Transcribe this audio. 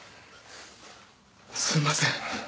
すんません。